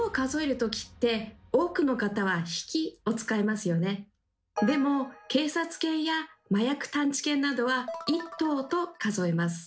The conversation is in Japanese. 多くの方はでも警察犬や麻薬探知犬などは「１頭」と数えます。